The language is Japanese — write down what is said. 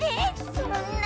そんな！